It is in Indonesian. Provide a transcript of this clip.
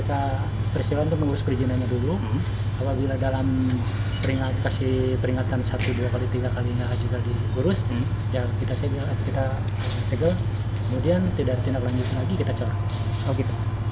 tidak ada pihak proyek yang berwenang untuk diminta konfirmasi